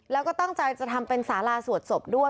แล้วก็ตั้งใจจะทำเป็นสาราสวดศพด้วย